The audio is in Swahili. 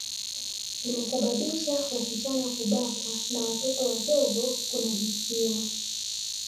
Imesababisha wasichana kubakwa na watoto wadogo kunajisiwa